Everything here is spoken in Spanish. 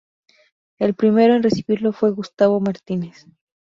El primero en recibirlo fue Gustavo Martínez.